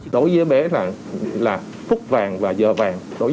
đối với bé là phút vàng và giờ vàng